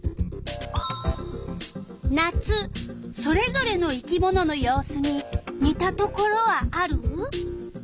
それぞれの生き物の様子ににたところはある？